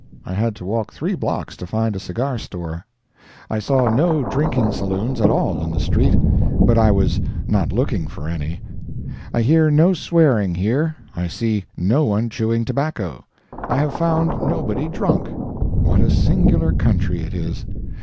I had to walk three blocks to find a cigar store. I saw no drinking saloons at all in the street—but I was not looking for any. I hear no swearing here, I see no one chewing tobacco, I have found nobody drunk. What a singular country it is.